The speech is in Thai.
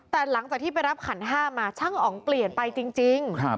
แต่หลังจากที่ไปรับขันห้ามาช่างอ๋องเปลี่ยนไปจริง